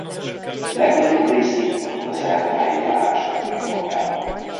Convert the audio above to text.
Legnagyobb részét a Dunaszerdahelyi járás foglalja magába.